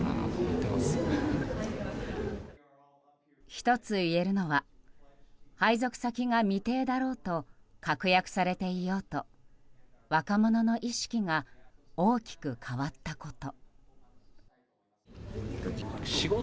一つ、言えるのは配属先が未定だろうと確約されていようと若者の意識が大きく変わったこと。